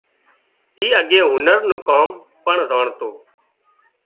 اي اڳي هنر نُون ڪام پڻ زانڻتو